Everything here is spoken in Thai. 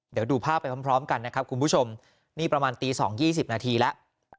เดี๋ยวดูภาพไปพร้อมกันนะครับคุณผู้ชมนี่ประมาณตี๒๒๐นาทีแล้ว